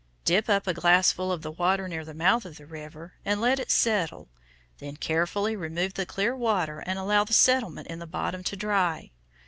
Dip up a glassful of the water near the mouth of the river, and let it settle, then carefully remove the clear water and allow the sediment in the bottom to dry.